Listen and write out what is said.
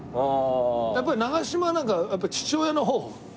やっぱり長嶋はなんか父親の方。